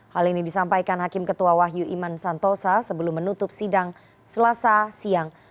hal ini disampaikan hakim ketua wahyu iman santosa sebelum menutup sidang selasa siang